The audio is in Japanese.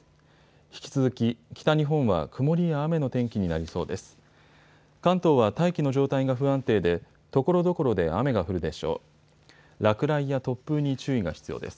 引き続き北日本は曇りや雨の天気になりそうです。